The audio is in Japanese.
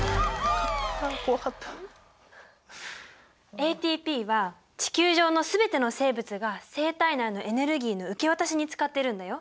ＡＴＰは地球上の全ての生物が生体内のエネルギーの受け渡しに使ってるんだよ。